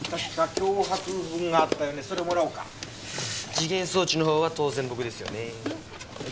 時限装置の方は当然僕ですよね。